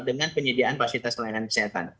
dengan penyediaan fasilitas pelayanan kesehatan